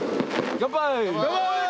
乾杯！